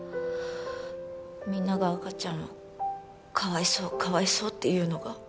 みんなが赤ちゃんをかわいそうかわいそうって言うのが。